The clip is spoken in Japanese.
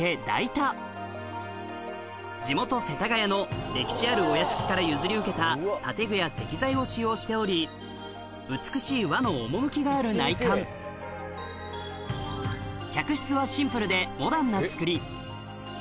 代田地元世田谷の歴史あるお屋敷から譲り受けた建具や石材を使用しており美しい和の趣がある内観客室はシンプルでモダンな造り